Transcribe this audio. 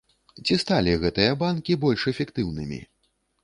Ці сталі гэтыя банкі больш эфектыўнымі?